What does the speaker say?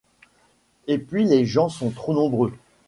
Et puis les gens sont trop nombreux.